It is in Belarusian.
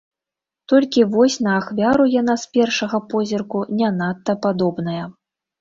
Толькі вось на ахвяру яна з першага позірку не надта падобная.